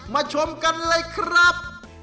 ชมกันเลยครับ